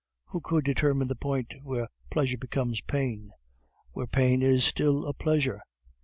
Who could determine the point where pleasure becomes pain, where pain is still a pleasure?